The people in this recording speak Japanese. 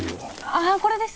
ああこれです！